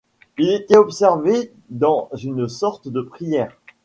Il était absorbé dans une sorte de prière.